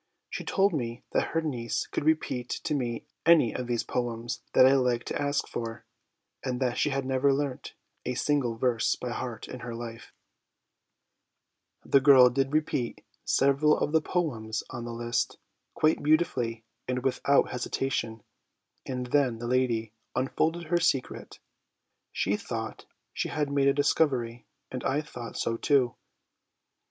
She told me that her niece could repeat to me any of those poems that I liked to ask for, and that she had never learnt a single LESSONS AS INSTRUMENTS OF EDUCATION 22$ verse by heart in her life. The girl did repeat several of the poems on the list, quite beautifully and without hesitation; and then the lady unfolded her secret. She thought she had made a discovery, and I thought so too.